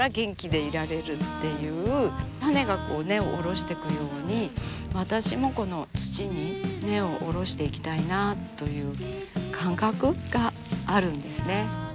種がこう根を下ろしていくように私もこの土に根を下ろしていきたいなあという感覚があるんですね。